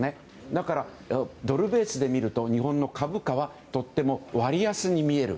だから、ドルベースで見ると日本の株価はとっても割安に見える。